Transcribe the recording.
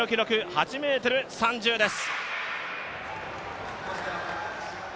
８ｍ３０です。